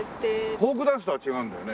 フォークダンスとは違うんだよね？